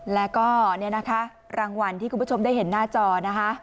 แล้วก็เนี่ยนะคะรางวัลที่คุณผู้ชมได้เห็นหน้าจอนะคะ